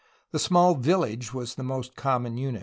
The small village was the most common unit.